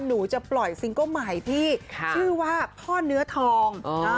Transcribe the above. หนูจะปล่อยซิงเกิ้ลใหม่พี่ชื่อว่าพ่อเนื้อทอง